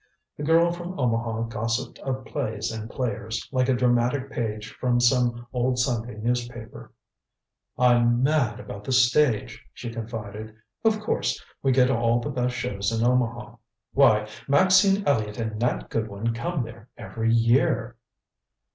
The girl from Omaha gossiped of plays and players, like a dramatic page from some old Sunday newspaper. "I'm mad about the stage," she confided. "Of course, we get all the best shows in Omaha. Why, Maxine Elliott and Nat Goodwin come there every year."